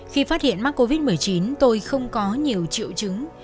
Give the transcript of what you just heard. khi phát hiện mắc covid một mươi chín tôi không có nhiều triệu chứng